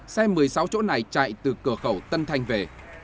xe một mươi sáu chỗ này chạy từ cửa khẩu tân thanh về